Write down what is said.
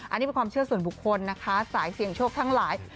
อันนี้เป็นความเชื่อส่วนบุคคลนะคะสายเสี่ยงโชคทั้งหลาย